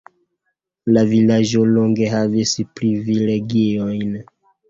La vilaĝo longe havis privilegiojn.